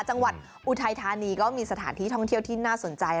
จังหวัดอุทรายทานีก็มีสถานที่ท้องเที่ยวที่น่าสนใจ